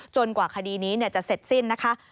กว่าคดีนี้จะเสร็จสิ้นนะคะ